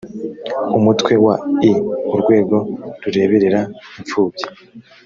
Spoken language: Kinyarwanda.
umutwe wa ii urwego rureberera imfubyi